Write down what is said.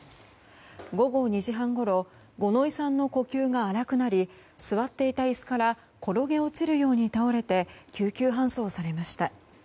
午後２時半ごろ五ノ井さんの呼吸が荒くなり座っていた椅子から転げ落ちるように倒れて救急搬送されました。